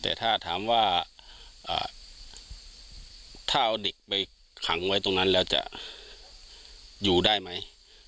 แต่ถ้าถามว่าถ้าเอาเด็กไปขังไว้ตรงนั้นแล้วจะอยู่ได้ไหม